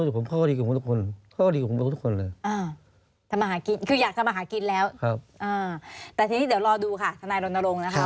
แต่ทีนี้เดี๋ยวรอดูค่ะทนายรณรงค์นะคะ